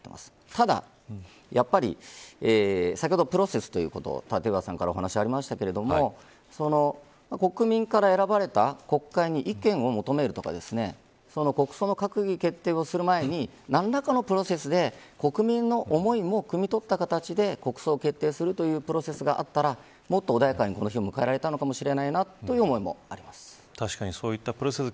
ただ、やっぱり先ほどプロセスということを立岩さんからお話ありましたが国民から選ばれた国会に意見を求めるとか国葬の閣議決定をする前に何らかのプロセスで国民の思いもくみ取った形で国葬を決定するというプロセスがあったらもっと穏やかに、この日を迎えられたのかもしれないという思いはあります。